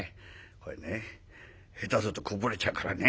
これね下手するとこぼれちゃうからね。